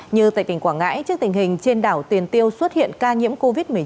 như tại tỉnh quảng ngãi trước tình hình trên đảo tiền tiêu xuất hiện ca nhiễm covid một mươi chín